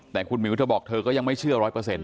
แต่คุณหมิ๋วเธอบอกเธอยังไม่เชื่อ๑๐๐